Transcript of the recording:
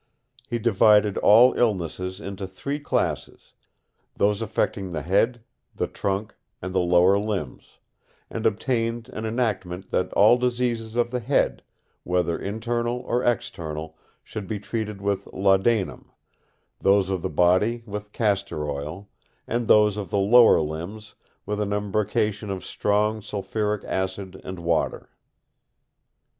He divided all illnesses into three classes—those affecting the head, the trunk, and the lower limbs—and obtained an enactment that all diseases of the head, whether internal or external, should be treated with laudanum, those of the body with castor oil, and those of the lower limbs with an embrocation of strong sulphuric acid and water.